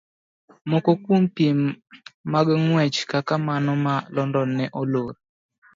Moko kuom piem mag ng'wech kaka mano ma London ne olor.